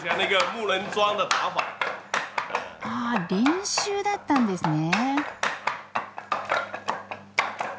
あ練習だったんですね。